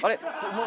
もう。